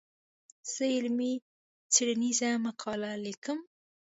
زه علمي څېړنيزه مقاله ليکم.